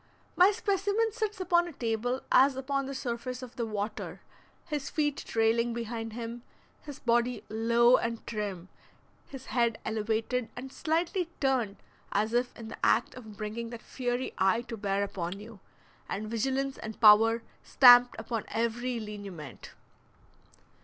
My specimen sits upon a table as upon the surface of the water, his feet trailing behind him, his body low and trim, his head elevated and slightly turned as if in the act of bringing that fiery eye to bear upon you, and vigilance and power stamped upon every lineament.